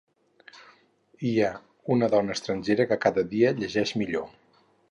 Hi ha una dona estrangera que cada dia llegeix millor